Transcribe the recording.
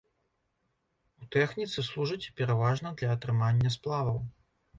У тэхніцы служыць пераважна для атрымання сплаваў.